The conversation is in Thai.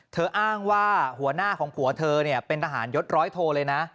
อ้างว่าหัวหน้าของผัวเธอเป็นทหารยศร้อยโทเลยนะ